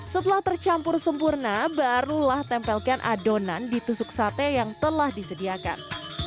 setelah tercampur sempurna barulah tempelkan adonan di tusuk sate yang telah disediakan